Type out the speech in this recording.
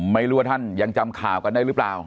ไม่รู้ว่าท่านยังจำข่าวกันได้หรือเปล่า